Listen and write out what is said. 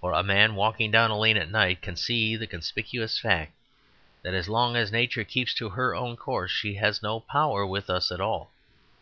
For a man walking down a lane at night can see the conspicuous fact that as long as nature keeps to her own course, she has no power with us at all.